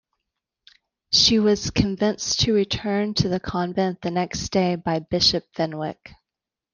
She was convinced to return to the convent the next day by Bishop Fenwick.